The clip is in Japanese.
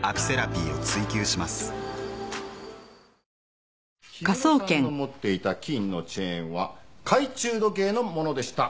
贅沢な香り氷室さんの持っていた金のチェーンは懐中時計のものでした。